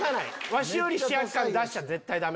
わしより主役感出しちゃダメ。